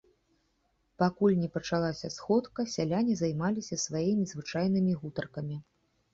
Пакуль не пачалася сходка, сяляне займаліся сваімі звычайнымі гутаркамі.